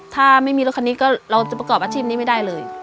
ถ้าไม่มีรถคันนี้ก็เราจะประกอบอาชีพนี้ไม่ได้เลย